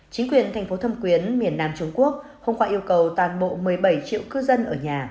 chính quyền thành phố thâm quyến miền nam trung quốc hôm qua yêu cầu toàn bộ một mươi bảy triệu cư dân ở nhà